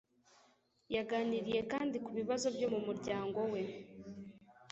Yaganiriye kandi ku bibazo byo mu muryango we